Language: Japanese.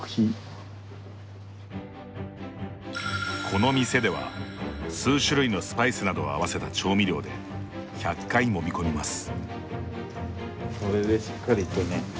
この店では数種類のスパイスなどを合わせた調味料で１００回もみ込みます。